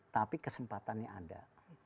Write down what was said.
tapi kesempatannya ada